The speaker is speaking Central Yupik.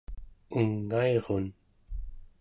ungairun